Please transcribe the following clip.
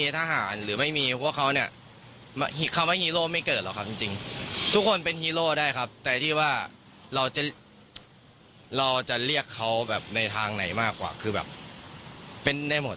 ทุกคนเป็นฮีโร่ได้ครับแต่ที่ว่าเราจะเรียกเขาแบบในทางไหนมากกว่าคือแบบเป็นได้หมด